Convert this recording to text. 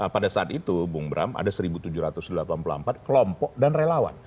pada saat itu bung bram ada satu tujuh ratus delapan puluh empat kelompok dan relawan